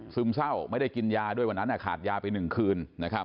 เศร้าไม่ได้กินยาด้วยวันนั้นขาดยาไป๑คืน